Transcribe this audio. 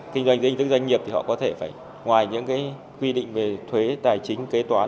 kinh doanh doanh nghiệp thì họ có thể phải ngoài những quy định về thuế tài chính kế toán